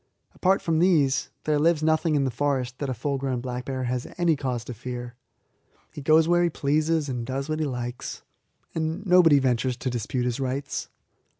Apart from these, there lives nothing in the forest that a full grown black bear has any cause to fear. He goes where he pleases and does what he likes, and nobody ventures to dispute his rights.